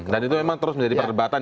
dan itu memang terus menjadi perdebatan